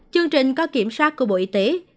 chương trình có kiểm soát của bộ y tế